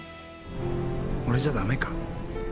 俺じゃダメか？